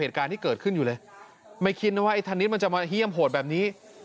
เหตุการณ์ที่เกิดขึ้นอยู่เลยไม่คิดนะว่าไอ้ธนิดมันจะมาเยี่ยมโหดแบบนี้